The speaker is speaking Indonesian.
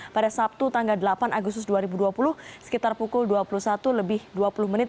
pada sabtu tanggal delapan agustus dua ribu dua puluh sekitar pukul dua puluh satu lebih dua puluh menit